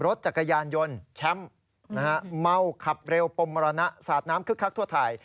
รถจักรยานยนต์แชมป์เมาขับเร็วปมมรณะสาดน้ำคึกคักทั่วไทย